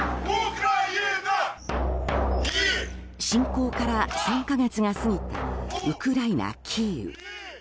侵攻から３か月が過ぎたウクライナ・キーウ。